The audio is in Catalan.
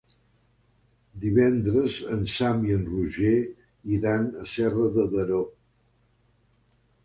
Divendres en Sam i en Roger iran a Serra de Daró.